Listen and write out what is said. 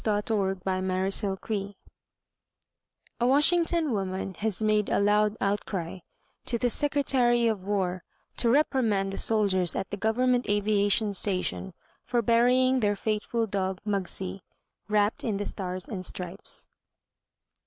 THE FLAG AND THE FAITHFUL (A Washington woman has made a loud outcry to the Secretary of War to reprimand the soldiers at the Government Aviation Station for burying their faithful dog, Muggsie, wrapped in the Stars and Stripes.)